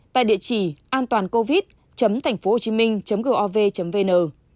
tại địa chỉ antoancovid thànhphuohochiminh gov vn